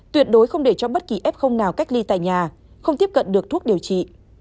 tuyệt đối không để cho bất kỳ f nào cách ly tại nhà không tiếp cận được thuốc điều trị